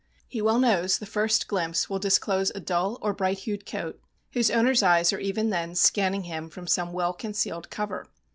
He well knows the first glimpse will disclose a dull or bright hued coat, whose owner's eyes are even then scanning him from some well concealed cover.